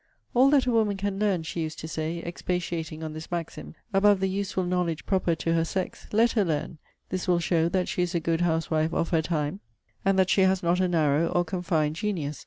'All that a woman can learn,' she used to say, [expatiating on this maxim,] 'above the useful knowledge proper to her sex, let her learn. This will show that she is a good housewife of her time, and that she has not a narrow or confined genius.